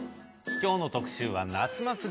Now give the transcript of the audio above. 今日の特集は夏祭り。